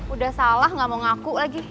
udah salah gak mau ngaku lagi